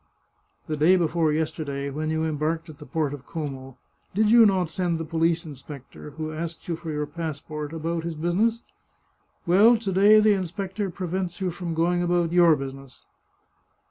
" The day before yesterday, when you embarked at the port of Como, did you not send the police inspector, who asked you for your passport, about his business? Well, to day the inspector prevents you from going about your business."